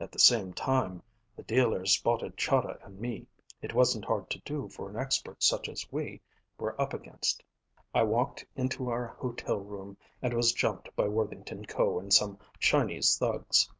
"At the same time, the dealers spotted Chahda and me. It wasn't hard to do for an expert such as we were up against. I walked into our hotel room and was jumped by Worthington Ko and some Chinese thugs.